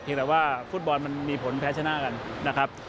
แต่ว่าฟุตบอลมันมีผลแพ้ชนะกันนะครับ